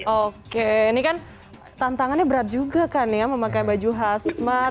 oke ini kan tantangannya berat juga kan ya memakai baju hasmat